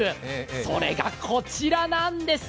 それがこちらなんです。